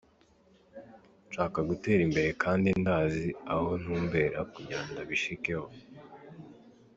Nshaka gutera imbere kandi ndazi aho ntumbera kugira ndabishikeko.